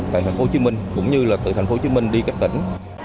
tại thành phố hồ chí minh cũng như là từ thành phố hồ chí minh đi các tỉnh